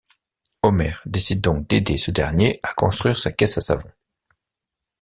Homer décide donc d'aider ce dernier à construire sa caisse à savon...